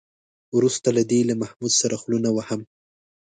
وروسته له دې له محمود سره خوله نه وهم.